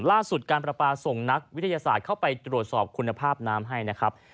ล่าสุดการประปาส่งนักวิทยาศาสตร์เข้าไปตรวจสอบคุณภาพน้ำให้นะครับ